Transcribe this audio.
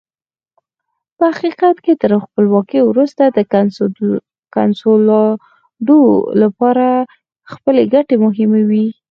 په حقیقت کې تر خپلواکۍ وروسته کنسولاډو لپاره خپلې ګټې مهمې وې.